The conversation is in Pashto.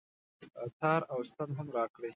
تار او ستن هم راکړئ